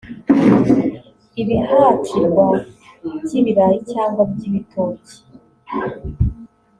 ibihatirwa by’ibirayi cyangwa by’ibitoki